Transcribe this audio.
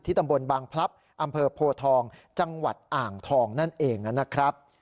ตำบลบางพลับอำเภอโพทองจังหวัดอ่างทองนั่นเองนะครับ